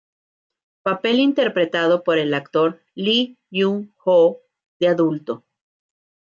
Papel interpretado por el actor Lee Jun-ho de adulto.